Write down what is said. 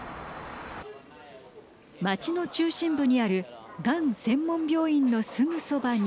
街の中心部にあるがん専門病院のすぐそばに。